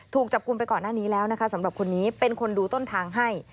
ถูกจับกลุ่มไปก่อนหน้านี้แล้วนะคะสำหรับคนนี้เป็นคนดูต้นทางให้